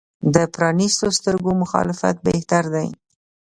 د پرانیستو سترګو مخالفت بهتر دی.